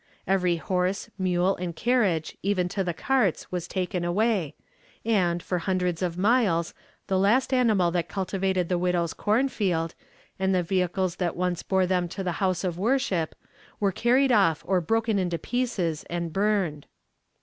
Every horse, mule, and carriage, even to the carts, was taken away, and, for hundreds of miles, the last animal that cultivated the widow's corn field, and the vehicles that once bore them to the house of worship, were carried off or broken into pieces and burned.